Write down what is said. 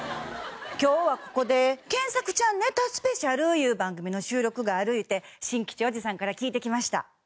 今日はここで『検索ちゃんネタスペシャル』いう番組の収録があるいうて新吉おじさんから聞いてきました。